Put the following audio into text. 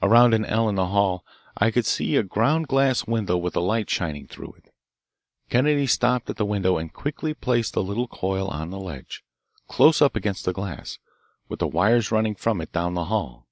Around an "L" in the hall I could see a ground glass window with a light shining through it. Kennedy stopped at the window and quickly placed the little coil on the ledge, close up against the glass, with the wires running from it down the hall.